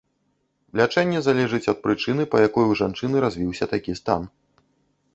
Лячэнне залежыць ад прычыны, па якой у жанчыны развіўся такі стан.